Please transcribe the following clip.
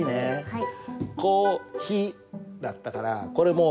はい。